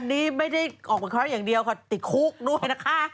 อันนี้ไม่ได้ออกเป็นครั้งอย่างเดียวค่ะติดคุกด้วยนะคะ